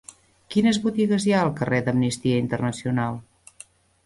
Quines botigues hi ha al carrer d'Amnistia Internacional?